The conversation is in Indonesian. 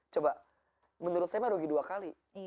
coba menurut saya mah rugi dua kali